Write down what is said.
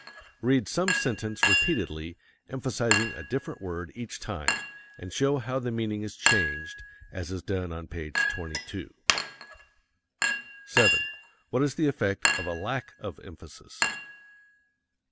Read some sentence repeatedly, emphasizing a different word each time, and show how the meaning is changed, as is done on page 22. 7. What is the effect of a lack of emphasis?